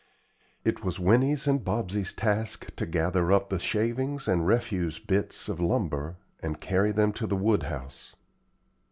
It was Winnie's and Bobsey's task to gather up the shavings and refuse bits of lumber, and carry them to the woodhouse.